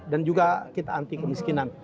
dan juga kita anti kemiskinan